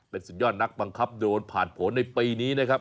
เป็นสุดยอดนักบังคับโดนผ่านผลในปีนี้นะครับ